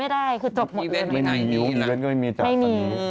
ไม่ได้คือจบหมดเลยมั้ยมันไม่มีหรอไม่มี